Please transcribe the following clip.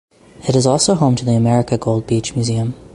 It is also home to the America Gold Beach Museum.